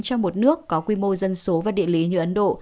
cho một nước có quy mô dân số và địa lý như ấn độ